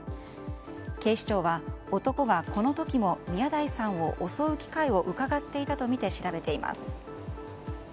警視庁は男がこの時も宮台さんを襲う機会をうかがっていたとみて調べています。